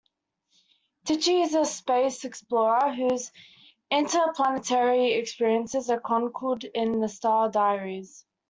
Tichy is a space explorer whose interplanetary experiences are chronicled in "The Star Diaries".